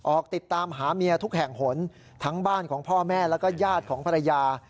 ออกติดตามหาเมียทุกแห่งหนทั้งบ้านของพ่อแม่แล้วก็ญาติของภรรยา